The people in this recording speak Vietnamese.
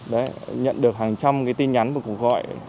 đấy nhận được hàng trăm cái tin nhắn và cuộc gọi